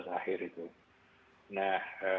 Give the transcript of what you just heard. akhir itu nah